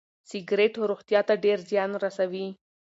سګریټ روغتیا ته ډېر زیان رسوي.